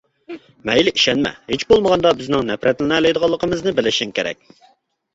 مەيلى ئىشەنمە، ھېچبولمىغاندا بىزنىڭ نەپرەتلىنەلەيدىغىنىمىزنى بىلىشىڭ كېرەك.